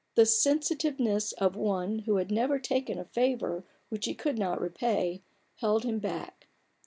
The sensitiveness of one who had never taken a favour which he could not repay, held him back.